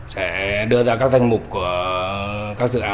sẽ đưa ra các danh mục của các cấp chính quyền các sở băn ngành